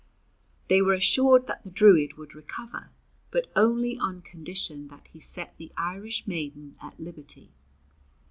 They were assured that the Druid would recover, but only on condition that he set the Irish maiden at liberty.